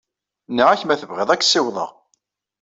Nniɣ-ak ma tebɣiḍ ad k-ssiwḍeɣ.